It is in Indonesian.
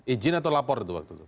izin atau lapor itu waktu itu